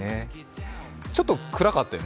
ちょっと暗かったよね？